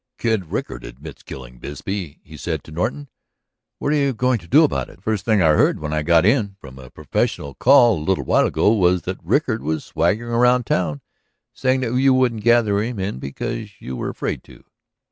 "Kid Rickard admits killing Bisbee," he said to Norton. "What are you going to do about it? The first thing I heard when I got in from a professional call a little while ago was that Rickard was swaggering around town, saying that you wouldn't gather him in because you were afraid to."